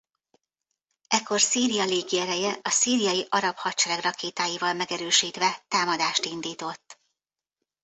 Ekkor Szíria Légiereje a Szíriai Arab Hadsereg rakétáival megerősítve támadást indított.